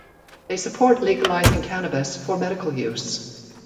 They support legalising cannabis for medical use.